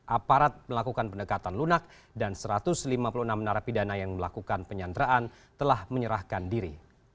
aparat melakukan pendekatan lunak dan satu ratus lima puluh enam narapidana yang melakukan penyanderaan telah menyerahkan diri